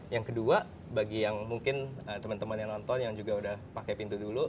yang kedua bagi yang mungkin teman teman yang nonton yang juga udah pakai pintu dulu